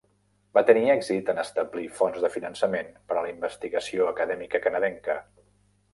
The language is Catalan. Va tenir èxit en establir fonts de finançament per a la investigació acadèmica canadenca.